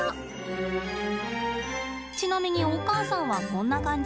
ちなみにお母さんはこんな感じ。